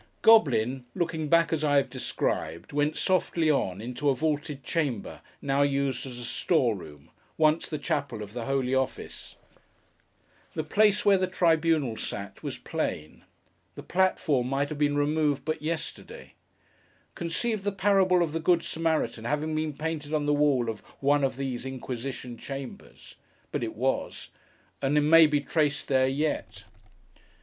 Goblin, looking back as I have described, went softly on, into a vaulted chamber, now used as a store room: once the chapel of the Holy Office. The place where the tribunal sat, was plain. The platform might have been removed but yesterday. Conceive the parable of the Good Samaritan having been painted on the wall of one of these Inquisition chambers! But it was, and may be traced there yet.